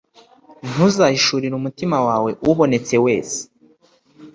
Ntuzahishurire umutima wawe ubonetse wese,